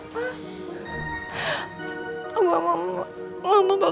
mama bakalan kangen sama mereka loh